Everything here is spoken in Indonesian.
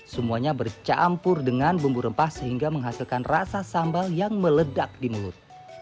semuanya bercampur dengan bumbu rempah sehingga menghasilkan rasa sambal yang meledak di mulut